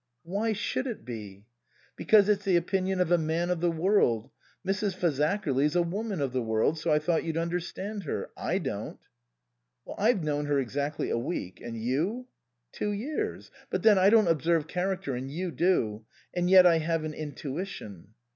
"Why should it be?" "Because it's the opinion of a man of the world. Mrs. Fazakerly's a woman of the world, so I thought you'd understand her. I don't." " I've known her exactly a week, and you ?"" Two years. But then I don't observe char acter, and you do. And yet I have an intuition."